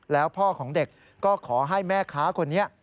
แล้วพ่อของเด็กก็ขอให้แม่ค้าคนนี้